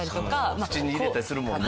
口に入れたりするもんな。